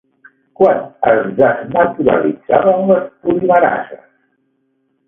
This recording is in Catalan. Quan es desnaturalitzaven les polimerases?